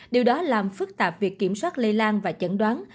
điều đó làm phức tạp việc kiểm soát lây lan và chẩn đoán